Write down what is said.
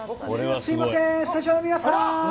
すいません、スタジオの皆さん！